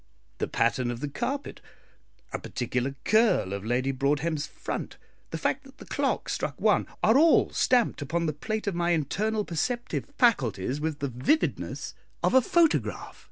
The pattern of the carpet, a particular curl of Lady Broadhem's "front," the fact that the clock struck one, are all stamped upon the plate of my internal perceptive faculties with the vividness of a photograph.